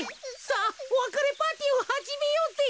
さあおわかれパーティーをはじめようぜ。